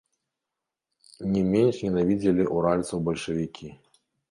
Не менш ненавідзелі ўральцаў бальшавікі.